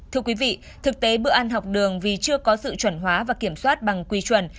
thưa quý vị thực tế bữa ăn học đường vì chưa có sự chuẩn hóa và kiểm soát bằng quy chuẩn